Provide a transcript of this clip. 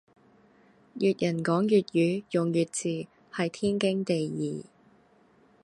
粵人講粵語用粵字係天經地義